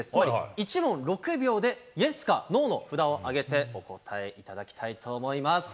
１問６秒でＹＥＳかＮＯの札を挙げてお答えいただきたいと思います。